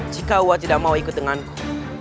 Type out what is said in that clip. jika wa tidak mau ikut denganku